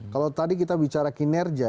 kalau tadi kita bicara kinerja